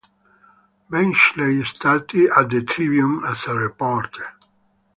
Benchley started at the "Tribune" as a reporter.